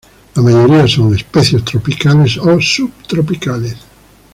La mayoría son especies tropicales o subtropicales.